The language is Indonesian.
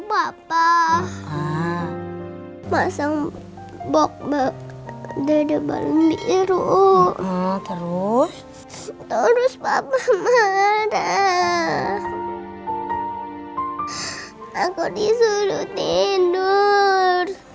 papa masam bokbek dede bareng biru mau terus terus papa marah aku disuruh tidur